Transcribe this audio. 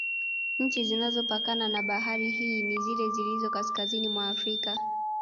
Nchi zinazopakana na bahari hii ni zile zilizo kaskazini Mwa frika